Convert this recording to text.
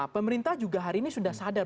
pemerintah juga hari ini sudah sadar